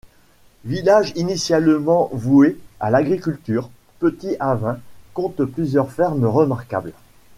Village initialement voué à l'agriculture, Petit-Avin compte plusieurs fermes remarquables.